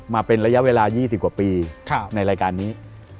มาเป็นระยะเวลา๒๐กว่าปีในรายการนี้